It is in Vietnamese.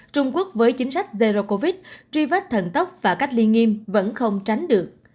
trung quốc với chính sách zero covid truy vết thần tốc và cách ly nghiêm vẫn không tránh được